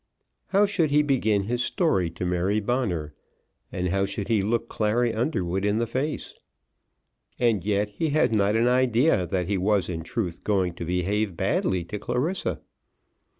How should he begin his story to Mary Bonner, and how should he look Clary Underwood in the face? And yet he had not an idea that he was in truth going to behave badly to Clarissa.